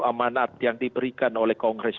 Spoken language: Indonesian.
amanat yang diberikan oleh kongres